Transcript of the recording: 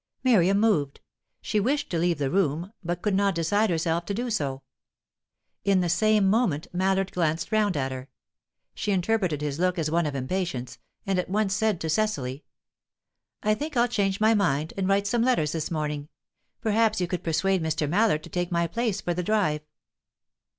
Miriam moved. She wished to leave the room, but could not decide herself to do so. In the same moment Mallard glanced round at her. She interpreted his look as one of impatience, and at once said to Cecily: "I think I'll change my mind, and write some letters this morning. Perhaps you could persuade Mr. Mallard to take my place for the drive."